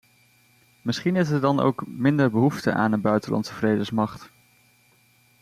Misschien is er dan ook minder behoefte aan een buitenlandse vredesmacht.